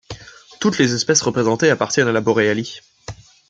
Toutes les espèces représentées appartiennent à la boréalie.